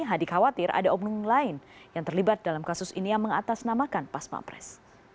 hadi khawatir ada oknum lain yang terlibat dalam kasus ini yang mengatasnamakan pas pampres